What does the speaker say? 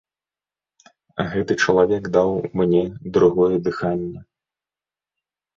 Гэты чалавек даў мне другое дыханне.